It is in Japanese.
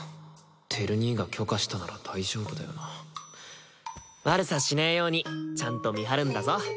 輝兄が許可したなら大丈夫だよな悪さしねえようにちゃんと見張るんだぞ